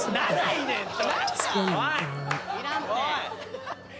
「いらんて！」